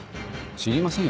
知りませんよ